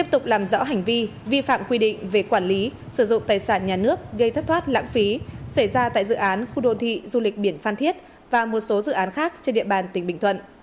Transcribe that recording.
căn cứ kết quả điều tra mở rộng vụ án vi phạm quy định về quản lý sử dụng tài sản nhà nước gây thất thoát lãng phí xảy ra tại dự án khu đô thị du lịch biển phan thiết và một số dự án khác trên địa bàn tỉnh bình thuận